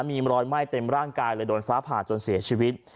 มีรอยไหม้เต็มร่างกายเลยโดนฟ้าผ่าจนเสียชีวิต